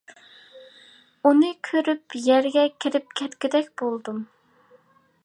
ئۇنى كۆرۈپ يەرگە كىرىپ كەتكۈدەك بولدۇم.